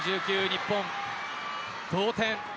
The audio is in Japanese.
日本、同点。